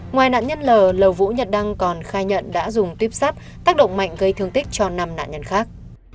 ngoài nạn nhân lầu vũ nhật đăng còn khai nhận đã dùng tuyếp sắt tác động mạnh gây thương tích cho năm nạn nhân khác